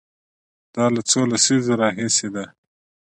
دا له څو لسیزو راهیسې ده.